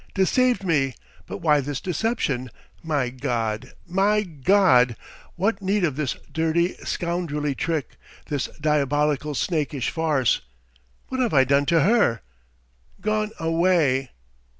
Deceived me! But why this deception? My God! My God! What need of this dirty, scoundrelly trick, this diabolical, snakish farce? What have I done to her? Gone away!"